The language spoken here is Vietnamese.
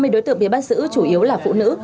hai mươi đối tượng bị bắt giữ chủ yếu là phụ nữ